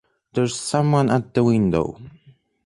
There's someone at the window!